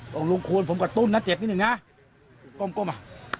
บอกลุงควรผมกระตุ้นนะเจ็บนิดหนึ่งนะก้มอ่ะ